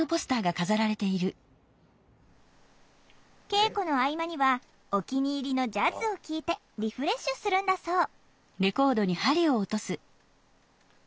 稽古の合間にはお気に入りのジャズを聴いてリフレッシュするんだそう。